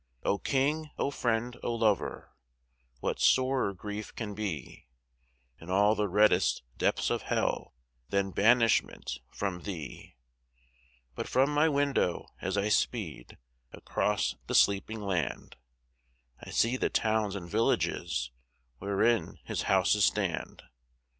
O King, O Friend, O Lover! What sorer grief can be In all the reddest depths of Hell than banishment from Thee? But from my window as I speed across the sleeping land I see the towns and villages wherein His houses stand.